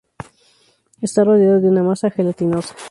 Está rodeado de una masa gelatinosa.